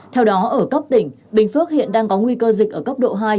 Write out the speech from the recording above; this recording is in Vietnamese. theo đó ở cấp tỉnh bình phước hiện đang có nguy cơ dịch ở cấp độ hai